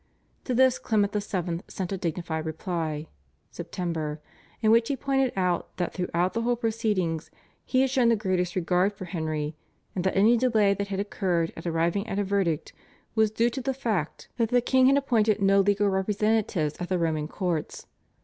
To this Clement VII. sent a dignified reply (Sept.), in which he pointed out that throughout the whole proceedings he had shown the greatest regard for Henry, and that any delay that had occurred at arriving at a verdict was due to the fact that the king had appointed no legal representatives at the Roman courts.